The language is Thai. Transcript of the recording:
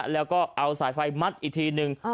แล้วก็เอาสายไฟมัดอีกทีนึง